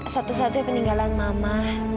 satu satu peninggalan mama